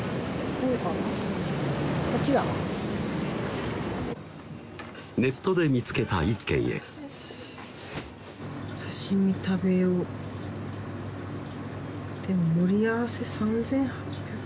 こっちだネットで見つけた一軒へ刺身食べようでも盛り合わせ３８００